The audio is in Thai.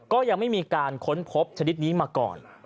ก็ยังไม่มีการค้นพบชนิดนี้มาก่อน